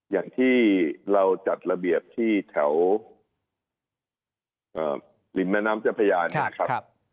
อย่างที่เราจัดระเบียบที่แถวริมแม่น้ำเจ้าพญาเนี่ยครับ